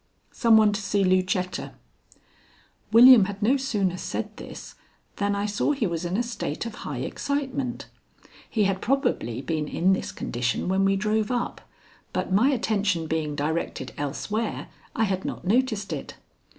"Some one to see Lucetta." William had no sooner said this than I saw he was in a state of high excitement. He had probably been in this condition when we drove up, but my attention being directed elsewhere I had not noticed it.